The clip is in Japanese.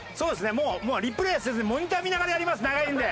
もうもうリプレイせずにモニター見ながらやります長いんで。